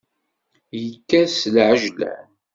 Yekkat s leɛjlan.